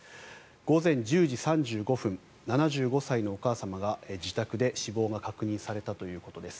午前１０時３５分７５歳のお母様が自宅で死亡が確認されたということです。